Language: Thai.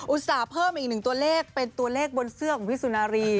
ต่าเพิ่มอีกหนึ่งตัวเลขเป็นตัวเลขบนเสื้อของพี่สุนารี